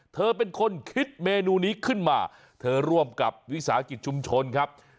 เธอเป็นคนคิดเมนูนี้ขึ้นมาเธอร่วมกับวิสาหกิจชุมชนครับ